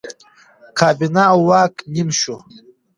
کابینه او واک نیم شو.